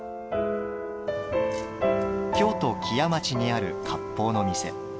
京都・木屋町にある割烹の店。